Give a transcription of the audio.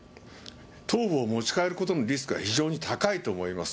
頭部を持ち帰ることのリスクは非常に高いと思います。